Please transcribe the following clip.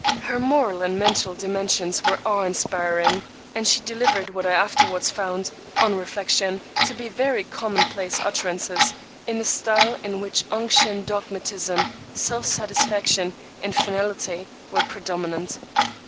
Her moral and mental dimensions were awe inspiring; and she delivered what I afterwards found, on reflection, to be very commonplace utterances in a style in which unction, dogmatism, self satisfaction, and finality were predominant.